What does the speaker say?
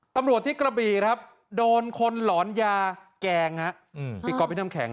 ตำรวจที่กระบีครับโดนคนหลอนยาแกงครับอืมอืมปิดกรอบพิธีน้ำแข็งน่ะ